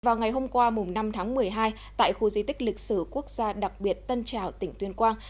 vào ngày hôm qua năm tháng một mươi hai tại khu di tích lịch sử quốc gia đặc biệt tân trào tỉnh tuyên quang